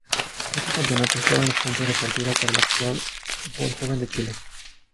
Estos campeonatos fueron los puntos de partida para el actual Fútbol Joven de Chile.